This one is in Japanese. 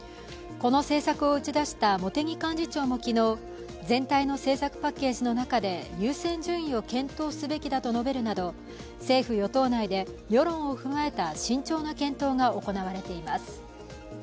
この政策を打ち出した茂木幹事長も昨日、全体の政策パッケージの中で優先順位を検討すべきだと述べるなど政府・与党内で世論を踏まえた慎重な検討が行われています。